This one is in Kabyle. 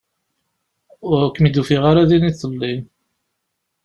Ur kem-id-ufiɣ ara din iḍelli.